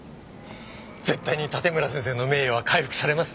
絶対に盾村先生の名誉は回復されます！